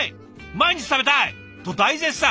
毎日食べたい！」と大絶賛。